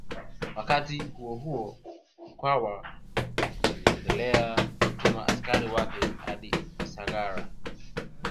Wakati huohuo Mkwawa aliendelea kutuma askari wake hadi Usagara